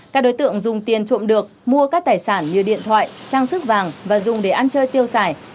các đối tượng dùng tiền trộm được mua các tài sản như điện thoại trang sức vàng và dùng để ăn chơi tiêu xài